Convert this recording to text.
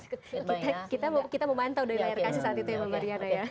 kita mau kita mau mantau dari layar kasih saat itu ya mbak riana ya